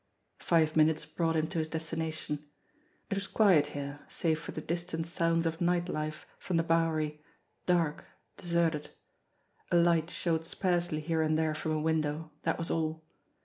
Five minutes brought him to his destination. It was quiet here, save for the distant sounds of night life from the Bow ery, dark, deserted. A light showed sparsely here and there from a window that was all.